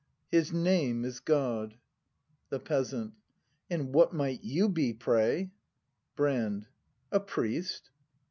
His name is God. The Peasant. And what might you be, pray ? Brand. A priest.